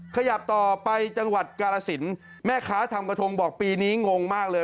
ขยับต่อไปจังหวัดกาลสินแม่ค้าทำกระทงบอกปีนี้งงมากเลย